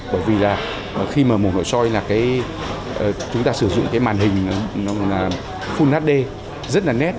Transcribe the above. bởi vì là khi mà mổ nội sôi là chúng ta sử dụng cái màn hình full hd rất là nét